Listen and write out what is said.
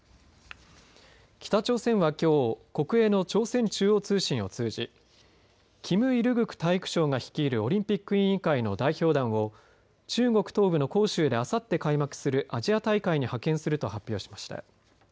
北朝鮮は、きょう国営の朝鮮中央通信を通じキム・イルグク体育相が率いるオリンピック委員会の代表団を中国東部の杭州であさって開幕するアジア大会に派遣すると発表しました。